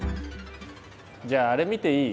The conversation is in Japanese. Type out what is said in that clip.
じゃああれ見ていい？